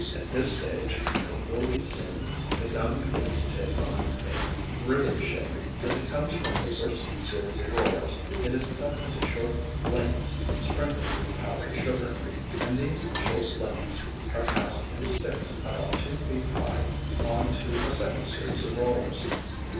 At this stage it will be seen the gum begins to take on a ribbon shape. As it comes from the first series of rollers, it is cut into short lengths sprinkled with powdered sugar, and these short lengths are passed in sticks about two feet high on to a second series of rollers.